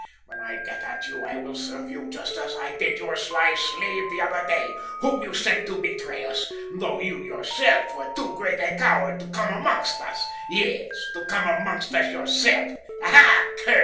When I get at you I will serve you just as I did your sly slave the other day, whom you sent to betray us, though you, yourself, were too great a coward to come amongst us, yes, to come amongst us yourself. Aha!